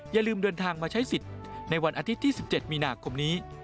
อย่าลืมเดินทางมาใช้สิทธิ์ในวันอาทิตย์ที่๑๗มีนาคมนี้